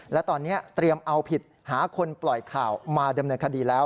และตอนนี้เตรียมเอาผิดหาคนปล่อยข่าวมาดำเนินคดีแล้ว